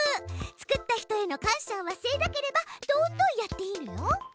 作った人への感謝を忘れなければどんどんやっていいのよ。